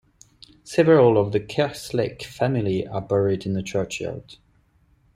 Several of the Kerslake family are buried in the churchyard.